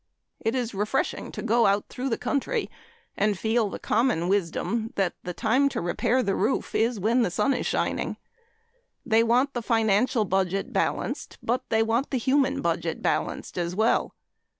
It is refreshing to go out through the country and feel the common wisdom that the time to repair the roof is when the sun is shining. They want the financial budget balanced. But they want the human budget balanced as well.